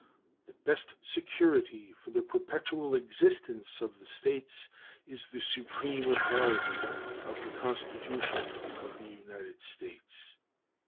The best security for the perpetual existence of the States is the "supreme authority" of the Constitution of the United States.